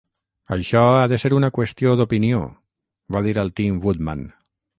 "Això ha de ser una qüestió d'opinió" va dir el Tin Woodman.